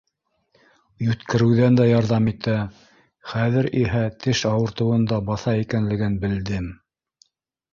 Йүткереүҙән дә ярҙам итә, хәҙер иһә теш ауыртыуын да баҫа икәнлеген белдем.